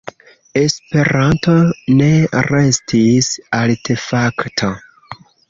Esperanto ne restis artefakto.